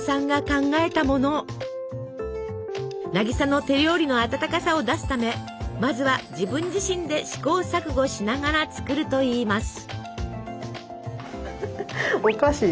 渚の手料理の温かさを出すためまずは自分自身で試行錯誤しながら作るといいます。